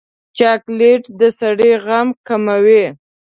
چاکلېټ د سړي غم کموي.